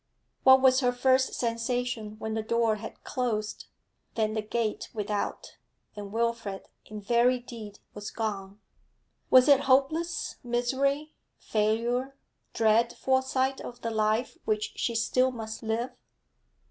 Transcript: What was her first sensation, when the door had closed, then the gate without, and Wilfrid in very deed was gone? Was it hopeless misery, failure, dread foresight of the life which she still must live?